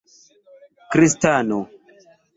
kristano